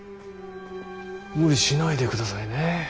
無理しないでくださいね。